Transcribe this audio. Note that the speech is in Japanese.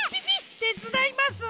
てつだいます！